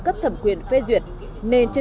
cấp thẩm quyền phê duyệt nên chưa